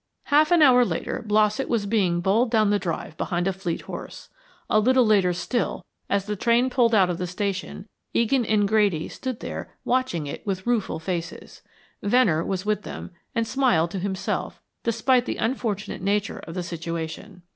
Half an hour later Blossett was being bowled down the drive behind a fleet horse. A little later still, as the train pulled out of the station, Egan and Grady stood there watching it with rueful faces. Venner was with them, and smiled to himself, despite the unfortunate nature of the situation.